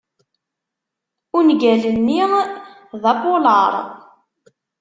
Ungal-nni d apulaṛ.